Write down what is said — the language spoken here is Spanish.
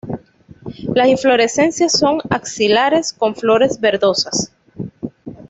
Las inflorescencia son axilares con flores verdosas.